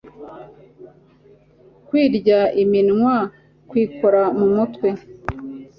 kwirya iminwa, kwikora mu mutwe